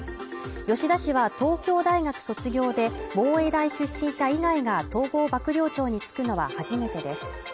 吉田氏は東京大学卒業で防衛大出身者以外が統合幕僚長につくのは初めてです。